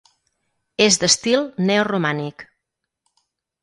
És d'estil Neoromànic.